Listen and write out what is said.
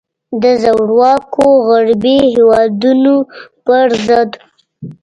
د زورواکو غربي هیوادونو پر ضد.